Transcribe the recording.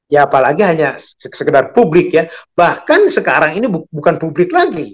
ya apalagi hanya sekedar publik ya bahkan sekarang ini bukan publik lagi